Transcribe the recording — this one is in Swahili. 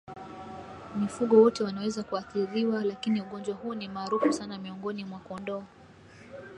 Mifugo wote wanaweza kuathiriwa lakini ugonjwa huu ni maarufu sana miongoni mwa kondoo